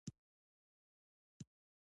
لوستې نجونې د ټولنې اصول په عمل بدلوي.